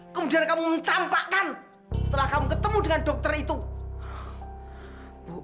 kemudian kamu mencampakkan setelah kamu ketemu dengan dokter itu